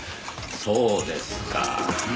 そうですか。